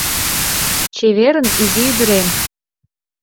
— Чеверын, изи ӱдырем!